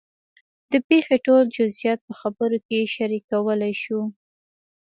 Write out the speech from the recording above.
د پېښې ټول جزیات په خبرو کې شریکولی شو.